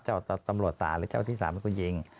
เจ้าตำรวจสารหรือเจ้าอธิสารเป็นคนยิง